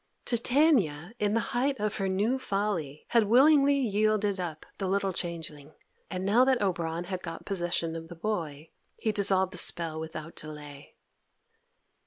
Titania, in the height of her new folly, had willingly yielded up the little changeling, and now that Oberon had got possession of the boy he dissolved the spell without delay.